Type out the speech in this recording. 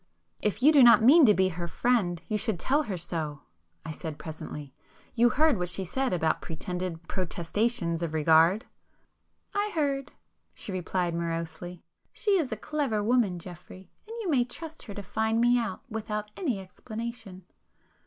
"If you do not mean to be her friend, you should tell her [p 327] so,"—I said presently—"You heard what she said about pretended protestations of regard?" "I heard,"—she replied morosely—"She is a clever woman, Geoffrey, and you may trust her to find me out without any explanation!"